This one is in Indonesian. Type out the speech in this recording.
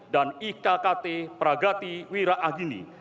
dan ikkt pragati wira agini